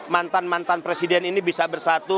mantan mantan presiden ini bisa bersatu